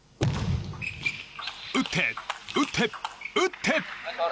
打って、打って、打って！